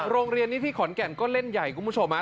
โรงเรียนนี้ที่ขอนแก่นก็เล่นใหญ่คุณผู้ชมฮะ